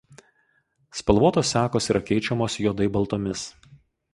Spalvotos sekos yra keičiamos juodai baltomis.